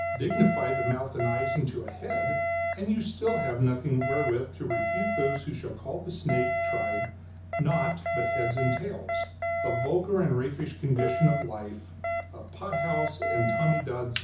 Dignify the mouth and eyes into a head, and still you have nothing wherewith to refute those who shall call the snake tribe naught but heads and tails; a vulgar and raffish condition of life, of pot house and Tommy Dod suggestion.